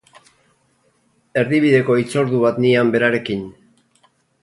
Erdibideko hitzordu bat nian berarekin.